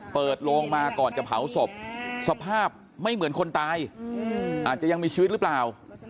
โลงมาก่อนจะเผาศพสภาพไม่เหมือนคนตายอาจจะยังมีชีวิตหรือเปล่า